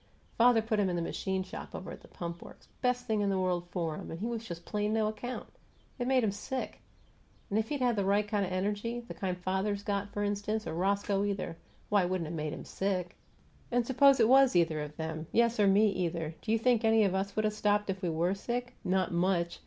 Father put him in the machine shop over at the Pump Works best thing in the world for him and he was just plain no account. It made him sick! If he'd had the right kind of energy the kind father's got, for instance, or Roscoe, either why, it wouldn't have made him sick. And suppose it was either of them yes, or me, either do you think any of us would have stopped if we WERE sick? Not much!